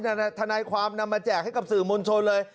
ทนายความนำมาแจกให้กับสื่อมวลชนเลย